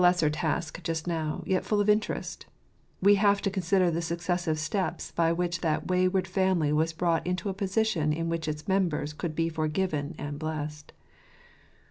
lesser task just now, yet full of interest ; we have to con sider the successive steps by which that wayward family was brought into a position in which its members could be forgiven and blessed.